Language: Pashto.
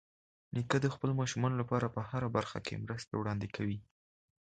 نیکه د خپلو ماشومانو لپاره په هره برخه کې مرستې وړاندې کوي.